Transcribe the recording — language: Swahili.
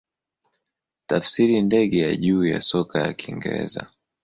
Tafsiri ndege ya juu ya soka ya Kiingereza.